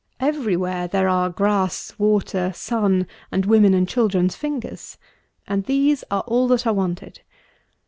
Every where there are grass, water, sun, and women and children's fingers; and these are all that are wanted.